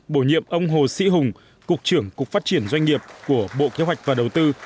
bổ nhiệm ông hồ sĩ hùng cục trưởng cục phát triển doanh nghiệp của bộ kế hoạch và đầu tư